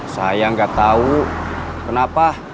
saya gak tau kenapa